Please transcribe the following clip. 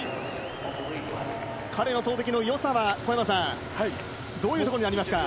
彼の投てきの良さは小山さん、どういうところにありますか？